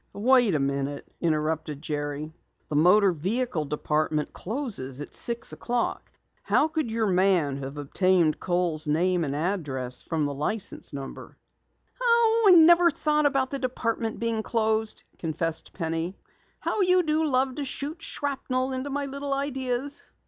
"Wait a minute," interrupted Jerry. "The Motor Vehicle Department closes at six o'clock. How could your man have obtained Kohl's name and address from the license number?" "I never thought about the department being closed," confessed Penny. "How you do love to shoot shrapnel into my little ideas!"